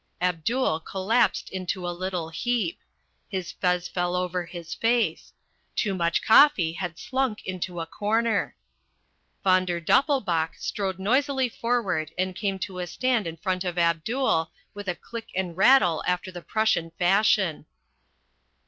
Abdul collapsed into a little heap. His fez fell over his face. Toomuch Koffi had slunk into a corner. Von der Doppelbauch strode noisily forward and came to a stand in front of Abdul with a click and rattle after the Prussian fashion.